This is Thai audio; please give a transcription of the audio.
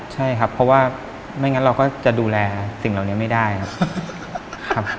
ใช่ครับเพราะว่าไม่งั้นเราก็จะดูแลสิ่งเหล่านี้ไม่ได้ครับ